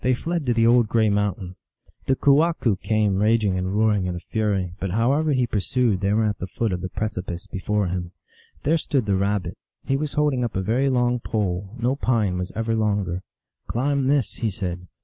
They fled to the old gray mountain. The kewahqu came raging and roaring in a fury, but however he pur sued they were at the foot of the precipice before him. There stood the Rabbit. He was holding up a very long pole ; no pine was ever longer. " Climb this," he said.